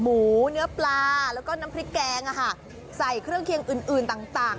หมูเนื้อปลาแล้วก็น้ำพริกแกงใส่เครื่องเคียงอื่นอื่นต่าง